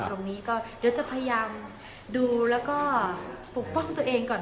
เดี๋ยวจะพยายามดูแล้วก็ปกป้องตัวเองก่อน